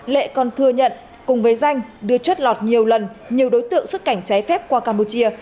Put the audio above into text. lệ còn thừa nhận cùng với danh đưa chất lọt nhiều lần nhiều đối tượng xuất cảnh trái phép qua campuchia